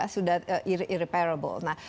sudah tidak bisa dikembalikan